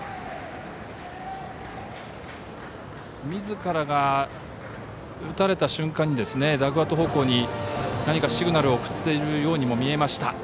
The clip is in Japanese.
みずからが打たれた瞬間にダグアウト方向に何かシグナルを送っているようにも見えました。